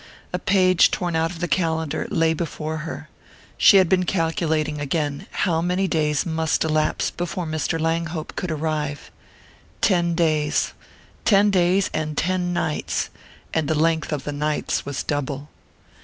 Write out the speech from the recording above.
A page torn out of the calendar lay before her she had been calculating again how many days must elapse before Mr. Langhope could arrive. Ten days ten days and ten nights! And the length of the nights was double....